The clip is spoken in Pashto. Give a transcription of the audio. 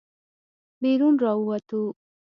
بېرون راووتو.